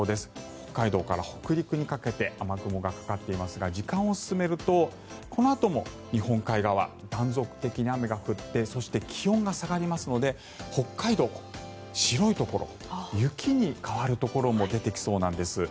北海道から北陸にかけて雨雲がかかっていますが時間を進めるとこのあとも日本海側断続的に雨が降ってそして気温が下がりますので北海道、白いところ雪に変わるところも出てきそうなんです。